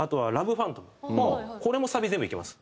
あとはこれもサビ全部いけます。